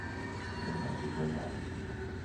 研討及規劃